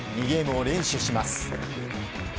２ゲームを連取します。